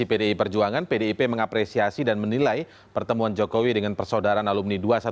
di pdi perjuangan pdip mengapresiasi dan menilai pertemuan jokowi dengan persaudaraan alumni dua ratus dua belas